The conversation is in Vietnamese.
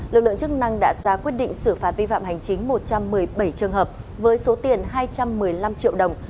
lực lượng chức năng đã ra quyết định xử phạt vi phạm hành chính một trăm một mươi bảy trường hợp với số tiền hai trăm một mươi năm triệu đồng